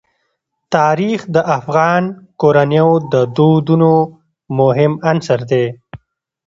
تاریخ د افغان کورنیو د دودونو مهم عنصر دی.